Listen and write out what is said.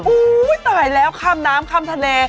ตายแล้วข้ามน้ำข้ามทะเล